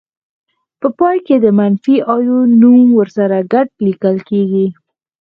په پای کې د منفي آیون نوم ورسره ګډ لیکل کیږي.